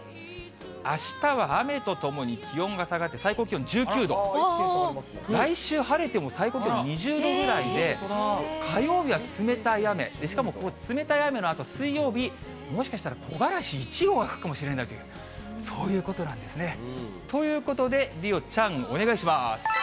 あしたは雨とともに気温が下がって、最高気温１９度。来週晴れても最高気温２０度ぐらいで、火曜日は冷たい雨、しかもこの冷たい雨のあと、水曜日、もしかしたら、木枯らし１号が吹くかもしれないという、そういうことなんですね。ということで、梨央ちゃん、お願いします。